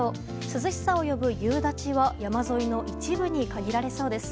涼しさを呼ぶ夕立は山沿いの一部に限られそうです。